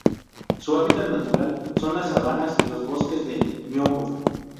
Su hábitat natural son las sabanas y los bosques de miombo.